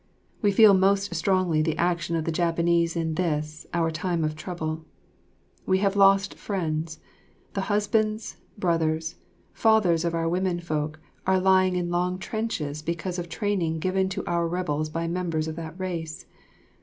We feel most strongly the action of the Japanese in this, our time of trouble. We have lost friends; the husbands, brothers, fathers of our women folk are lying in long trenches because of training given to our rebels by members of that race.